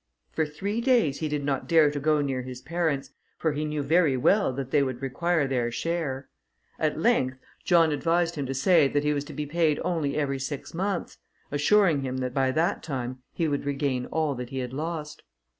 For three days, he did not dare to go near his parents; for he knew very well that they would require their share. At length, John advised him to say, that he was to be paid only every six months, assuring him that by that time he would regain all that he had lost.